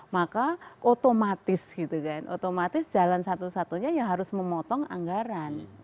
maka otomatis gitu kan otomatis jalan satu satunya ya harus memotong anggaran